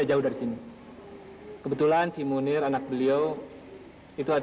ayo tunggu dulu ya arika